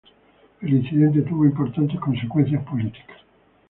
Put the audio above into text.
El incidente tuvo importantes consecuencias políticas.